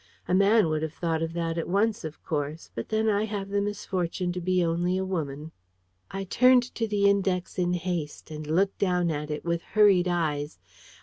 A man would have thought of that at once, of course: but then, I have the misfortune to be only a woman. I turned to the Index in haste, and looked down it with hurried eyes.